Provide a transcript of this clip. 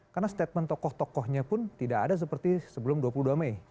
karena statement tokoh tokohnya pun tidak ada seperti sebelum dua puluh dua mei